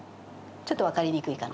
ちょっとわかりにくいかな。